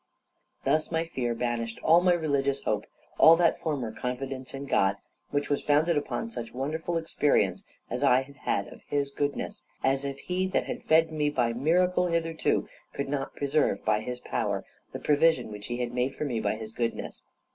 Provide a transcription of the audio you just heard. Thus my fear banished all my religious hope, all that former confidence in God, which was founded upon such wonderful experience as I had had of His goodness; as if He that had fed me by miracle hitherto could not preserve, by His power, the provision which He had made for me by His goodness.